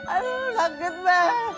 aduuh kaget mbak